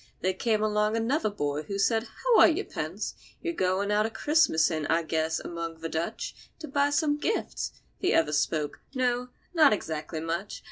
There came along another boy, who said, "How are you, Pence? You're goin' out a Christmassin', I guess, among the Dutch, to buy some gifts." The other spoke: "No—not exactly much.